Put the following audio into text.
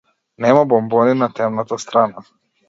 Нема бонбони на темната страна.